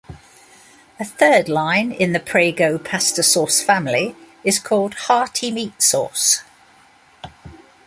A third line in the Prego Pasta Sauce family is called Hearty Meat sauce.